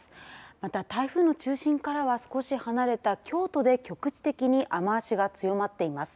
また、台風の中心からは少し離れた京都で局地的に雨足が強まっています。